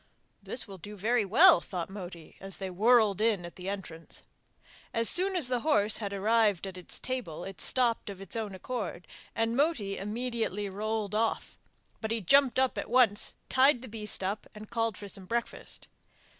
'This will do very well,' thought Moti as they whirled in at the entrance. As soon as the horse had arrived at its table it stopped of its own accord and Moti immediately rolled off; but he jumped up at once, tied the beast up, and called for some breakfast.